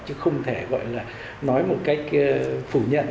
chứ không thể gọi là nói một cách phủ nhận